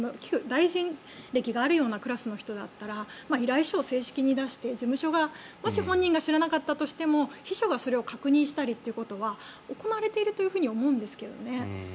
大臣歴があるようなクラスの人だったら依頼書を正式に出して事務所がもし本人が知らなかったとしても秘書がそれを確認したりということは行われていると思うんですけどね。